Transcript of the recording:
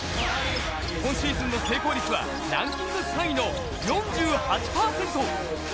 今シーズンの成功率はランキング３位の４８％。